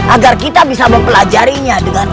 agar kita bisa mempelajarinya dengan baik